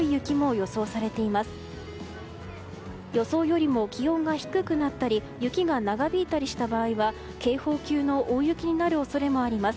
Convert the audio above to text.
予想よりも気温が低くなったり雪が長引いたりした場合は警報級の大雪になる恐れもあります。